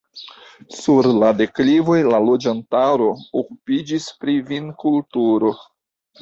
Sur la deklivoj la loĝantaro okupiĝis pri vinkulturo.